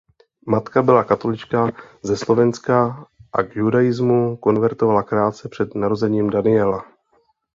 Matka byla katolička ze Slovenska a k judaismu konvertovala krátce před narozením Daniela.